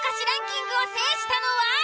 ランキングを制したのは。